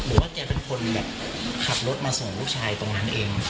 หรือว่าจะเป็นคนขับรถมาส่งลูกชายตรงนั้นเอง